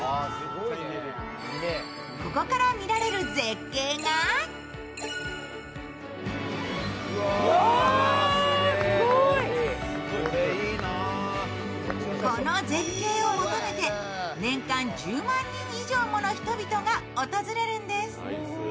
ここから見られる絶景がこの絶景を求めて年間１０万人以上もの人々が訪れるんです。